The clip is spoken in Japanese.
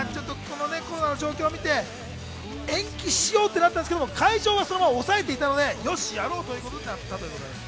コロナの状況を見て、延期しようってなったんですけど、会場をそのままおさえていたので、よしやろうということになったそうです。